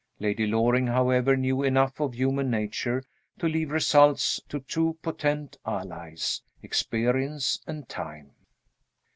Lady Loring, however, knew enough of human nature to leave results to two potent allies experience and time.